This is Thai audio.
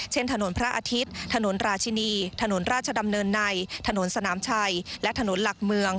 ถนนพระอาทิตย์ถนนราชินีถนนราชดำเนินในถนนสนามชัยและถนนหลักเมือง